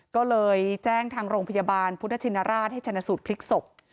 ก็เลยแจ้งทางโรงพยาบาลพุทธชินราชให้ชนะสูตรพลิกศพ